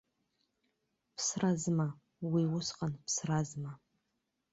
Ԥсразма уи усҟан, ԥсразма!